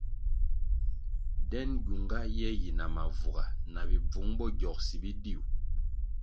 Den gyunga ye yina mavuga, na bibvung bo gyogsi bidiu.